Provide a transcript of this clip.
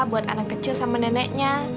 buat anak kecil sama neneknya